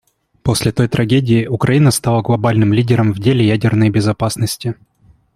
После той трагедии Украина стала глобальным лидером в деле ядерной безопасности.